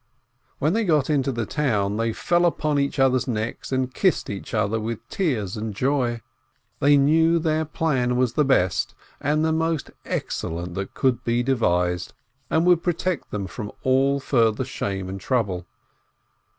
When they got into the town, they fell on each other's necks, and kissed each other with tears and joy. They knew their plan was the best and most excellent that could be devised, and would protect them all from further shame and trouble.